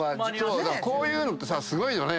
こういうのってさすごいよね！